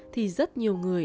thì rất nhiều người